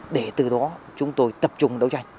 để từ đó chúng tôi tập trung đấu tranh